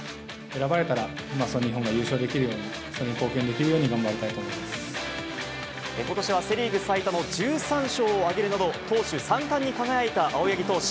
選ばれたら、日本が優勝できるように、それに貢献できるように頑張りたいと思ことしはセ・リーグ最多の１３勝を挙げるなど、投手３冠に輝いた青柳投手。